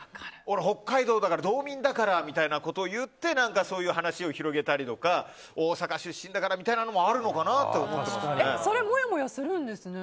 北海道だから道民だからと言ってそういう話を広げたりとか大阪出身だからみたいなのもそれ、もやもやするんですね。